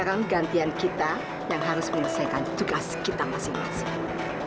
sekarang gantian kita yang harus menyelesaikan tugas kita masing masing